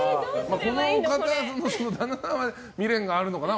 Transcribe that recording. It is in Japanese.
この方の旦那は未練があるのかな。